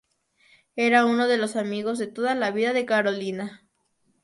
Era uno de los amigos de toda la vida de Carolina.